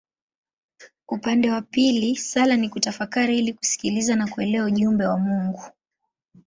Upande wa pili sala ni kutafakari ili kusikiliza na kuelewa ujumbe wa Mungu.